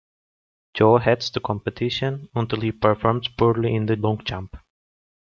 Joe heads the competition until he performs poorly in the long jump.